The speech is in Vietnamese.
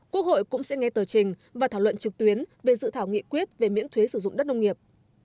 quốc hội cũng sẽ nghe tờ trình và thảo luận trực tuyến về dự thảo nghị quyết về miễn thuế sử dụng đất nông nghiệp